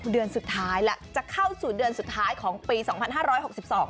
เดือนสุดท้ายแล้วจะเข้าสู่เดือนสุดท้ายของปีสองพันห้าร้อยหกสิบสอง